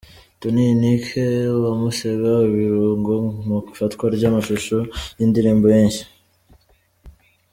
Tonny Unique bamusiga ibirungo mu ifatwa ry'amashusho y'indirimbo ye nshya.